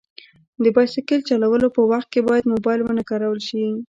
د بایسکل چلولو په وخت باید موبایل ونه کارول شي.